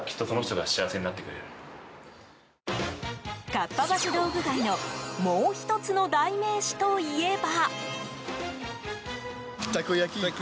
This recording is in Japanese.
かっぱ橋道具街のもう１つの代名詞といえば。